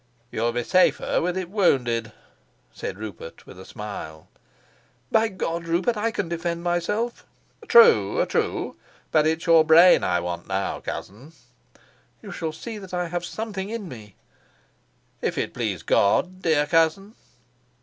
"You'll be safer with it wounded," said Rupert with a smile. "By God, Rupert, I can defend myself." "True, true; but it's your brain I want now, cousin." "You shall see that I have something in me." "If it please God, dear cousin."